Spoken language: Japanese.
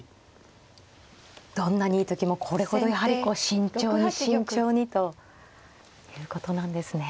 どんなにいい時もこれほどやはりこう慎重に慎重にということなんですね。